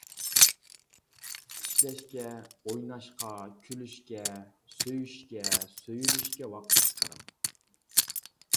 ئىشلەشكە، ئويناشقا، كۈلۈشكە سۆيۈشكە-سۆيۈلۈشكە ۋاقىت چىقىرىڭ.